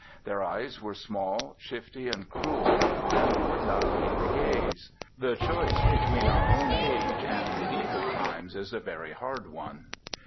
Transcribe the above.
Their eyes were small, shifty, and cruel, and would not meet the gaze.... The choice between our own age and mediaeval times is a very hard one.